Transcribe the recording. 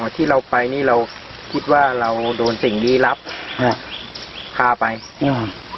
อ๋อที่เราไปนี่เราคิดว่าเราโดนสิ่งดีลับอ่าพาไปอืม